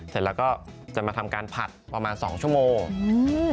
เสร็จแล้วก็จะมาทำการผัดประมาณสองชั่วโมงอืม